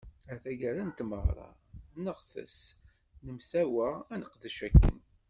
Ar taggara n tmeɣra, neɣtes, nemtawa ad neqdec akken.